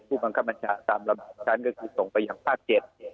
ผู้ปัญญคัจมิตรธรรมนี้ก็คือส่งไปอย่างภาค๗